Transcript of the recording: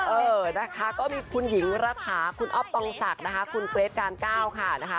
เออนะคะก็มีคุณหญิงระถาคุณอ๊อปปองศักดิ์คุณเกรทกาลก้าวค่ะ